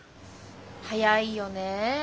早いよね